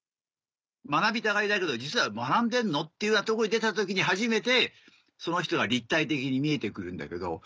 「学びたがり」だけど実は学んでんの？っていうようなとこに出た時に初めてその人が立体的に見えて来るんだけど。